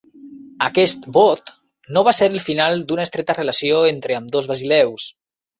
Aquest vot no va ser el final d'una estreta relació entre ambdós basileus.